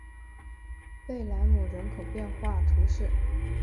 贝莱姆人口变化图示